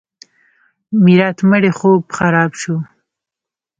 میرات مړی خوب خراب شو.